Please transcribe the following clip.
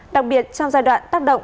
đặc biệt trong giai đoạn tác động